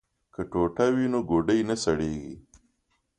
که ټوټه وي نو ګوډی نه سړیږي.